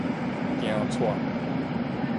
驚掣